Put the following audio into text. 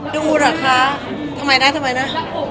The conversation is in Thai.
ดูเหรอคะทำไมได้ทำไมนะ